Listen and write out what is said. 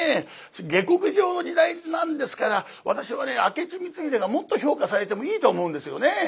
下克上の時代なんですから私はね明智光秀がもっと評価されてもいいと思うんですよね。